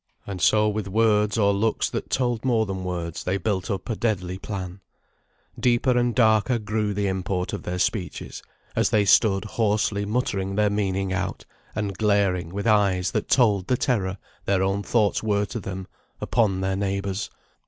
And so with words, or looks that told more than words, they built up a deadly plan. Deeper and darker grew the import of their speeches, as they stood hoarsely muttering their meaning out, and glaring, with eyes that told the terror their own thoughts were to them, upon their neighbours.